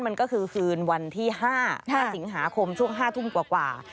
มันก็คือคืนวันที่๕สิงหาคมช่วง๕ทุ่มกว่า